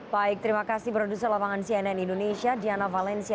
baik terima kasih produser lapangan cnn indonesia diana valencia